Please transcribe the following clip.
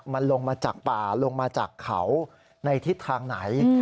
มันลงมาจากป่าลงมาจากเขาในทิศทางไหน